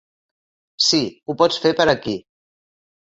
Sí, ho pot fer per aquí.